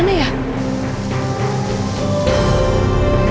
benda kebal apaan ini